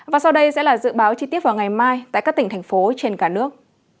và sau đây sẽ là dự báo chi tiết vào ngày mai tại các tỉnh thành phố trên cả nước